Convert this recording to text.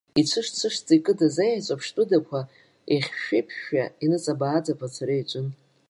Ицәыш-цәышӡа икыдыз аиаҵәа ԥштәыдақәа еихьшәшәа-еиԥышәшәа, иныҵаба-ааҵаба ацара иаҿын.